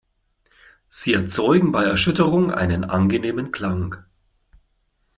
Sie erzeugen bei Erschütterung einen angenehmen Klang.